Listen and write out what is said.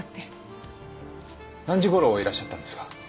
何時頃いらっしゃったんですか？